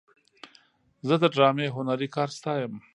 زه د ډرامې هنري کار ستایم.